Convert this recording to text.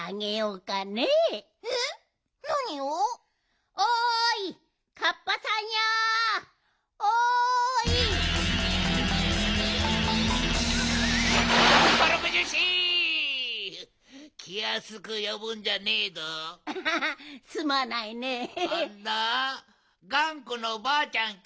がんこのばあちゃんけ？